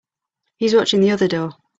He's watching the other door.